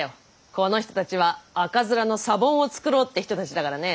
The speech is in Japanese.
この人たちは赤面のサボンを作ろうって人たちだからね。